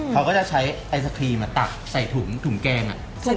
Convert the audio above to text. เขาก็จะใช้ไอศครีมตักใส่ถุงแกง